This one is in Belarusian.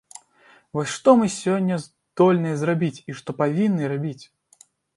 Вось што мы сёння здольныя зрабіць і што павінны рабіць?